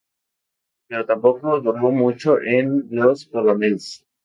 Pero tampoco duró mucho en los Colonels.